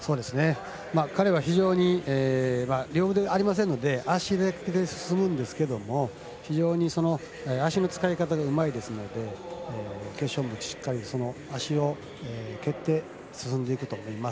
彼は非常に両腕がありませんので足だけで進むんですけど非常に足の使い方がうまいですので決勝もしっかり足を蹴って進んでいくと思います。